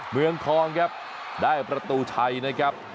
เมืองทองครับได้ประตูชัยนะครับ